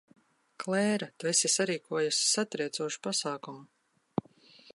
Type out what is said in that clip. Klēra, tu esi sarīkojusi satriecošu pasākumu.